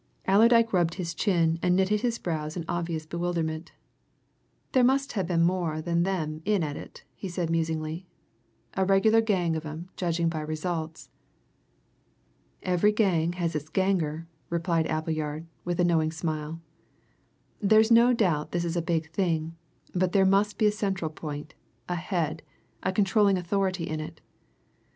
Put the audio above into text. Allerdyke rubbed his chin and knitted his brows in obvious bewilderment. "There must ha' been more than them in at it," he said musingly. "A regular gang of 'em, judging by results." "Every gang has its ganger," replied Appleyard, with a knowing smile. "There's no doubt this is a big thing but there must be a central point, a head, a controlling authority in it.